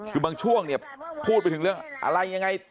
คือบางช่วงเนี่ยพูดไปถึงเรื่องอะไรยังไง